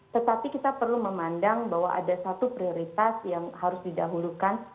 tetapi kita perlu memandang bahwa ada satu prioritas yang harus didahulukan